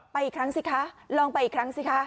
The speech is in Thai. ไปอีกครั้งสิคะลองไปอีกครั้งสิคะ